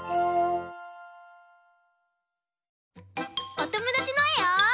おともだちのえを。